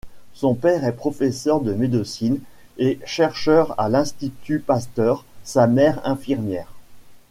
Son père est professeur de médecine et chercheur à l'Institut Pasteur, sa mère infirmière.